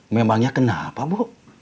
memangnya kenapa bu